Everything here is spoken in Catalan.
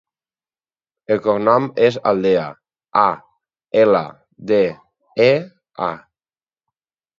El cognom és Aldea: a, ela, de, e, a.